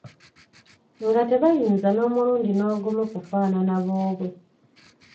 Nga tebayinza n‘omulundi n‘ogumu kufaanana boobwe.